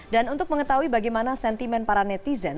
untuk mengetahui bagaimana sentimen para netizen